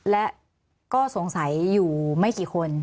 และก็สงสัยอยู่ไม่กี่คน